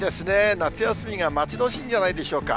夏休みが待ち遠しいんじゃないでしょうか。